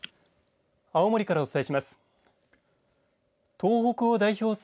青森からお伝えします。